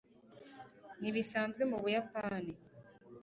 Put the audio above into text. nibisanzwe mu buyapani